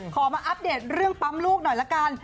ขอมาอัปเดตเรื่องปั๊มลูกหน่อยละกัน